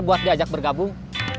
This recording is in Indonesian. buat diajak bergabung